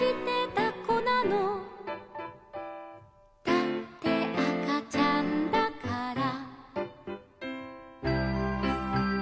「だってあかちゃんだから」